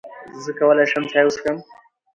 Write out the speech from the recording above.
زۀ کولای شم چای وڅښم؟